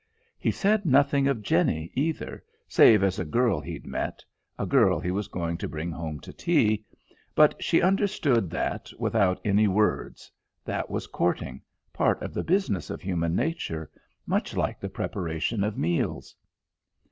He said nothing of Jenny, either, save as a girl he'd met, a girl he was going to bring home to tea; but she understood that without any words; that was courting, part of the business of human nature; much like the preparation of meals.